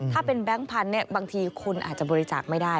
ถ้าเป็นแบงค์พันธุ์บางทีคุณอาจจะบริจาคไม่ได้